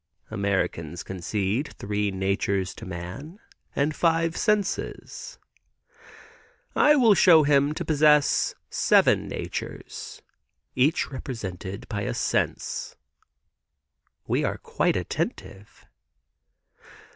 "Americans concede three natures to man and five senses. I will show him to possess seven natures, each represented by a sense." We are quite attentive.